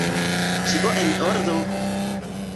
Ĉio en ordo!